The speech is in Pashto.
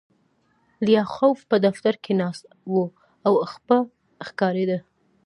لیاخوف په دفتر کې ناست و او خپه ښکارېده